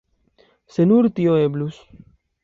Se nur tio eblus!